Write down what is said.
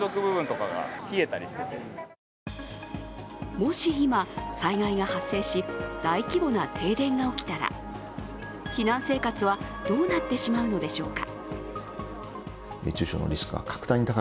もし、今、災害が発生し大規模な停電が起きたら避難生活はどうなってしまうのでしょうか。